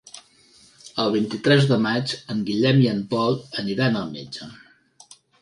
El vint-i-tres de maig en Guillem i en Pol aniran al metge.